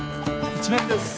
１面です！